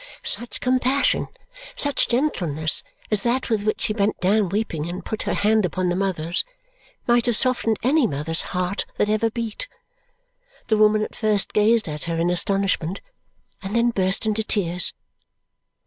Such compassion, such gentleness, as that with which she bent down weeping and put her hand upon the mother's might have softened any mother's heart that ever beat. The woman at first gazed at her in astonishment and then burst into tears.